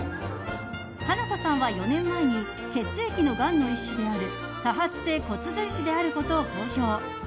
花子さんは４年前に血液のがんの一種である多発性骨髄腫であることを公表。